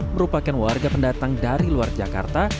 merupakan warga pendatang dari luar jakarta